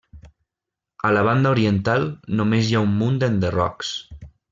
A la banda oriental només hi ha un munt d'enderrocs.